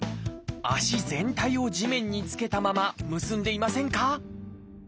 足全体を地面に着けたまま結んでいませんか？